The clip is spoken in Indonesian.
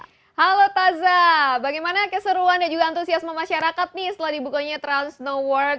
halo taza bagaimana keseruan dan juga antusiasme masyarakat nih setelah dibukanya trans snow world